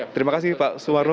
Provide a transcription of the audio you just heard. terima kasih pak suwarno